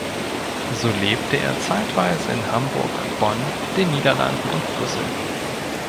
So lebte er zeitweise in Hamburg, Bonn, den Niederlanden und Brüssel.